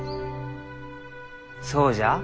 そうじゃあ。